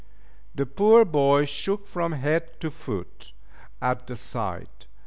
The poor boy shook from head to foot at the sight.